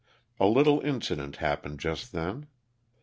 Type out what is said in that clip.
A little incident happened just then.